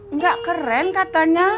nggak keren katanya